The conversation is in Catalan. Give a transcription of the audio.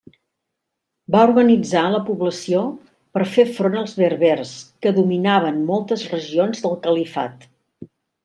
Va organitzar la població per fer front als berbers que dominaven moltes regions del califat.